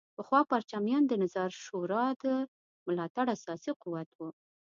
پخوا پرچمیان د نظار شورا د ملاتړ اساسي قوت وو.